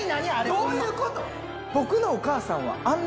どういうこと？